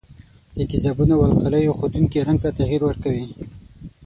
د تیزابونو او القلیو ښودونکي رنګ ته تغیر ورکوي.